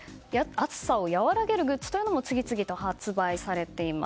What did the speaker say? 暑さを和らげるグッズも次々と発売されています。